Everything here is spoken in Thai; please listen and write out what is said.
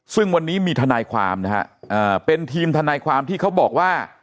ซึ่งวันนี้มีทนายความนะฮะเป็นทีมทนายความที่เขาบอกว่า